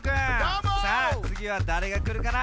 さあつぎはだれがくるかな？